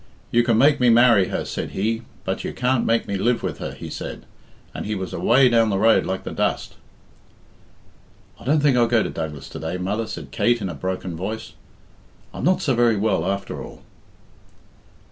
'You can make me marry her,' said he, 'but you can't make me live with her,' he said, and he was away down the road like the dust." "I don't think I'll go to Douglas to day, mother," said Kate in a broken voice. "I'm not so very well, after all."